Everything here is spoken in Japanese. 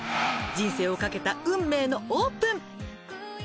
人生を懸けた運命のオープン！」